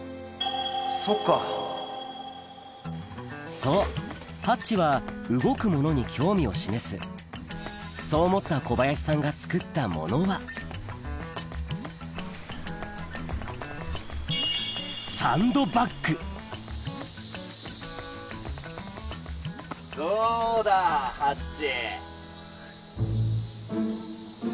そうハッチは動くものに興味を示すそう思った小林さんが作ったものはどうだハッチ。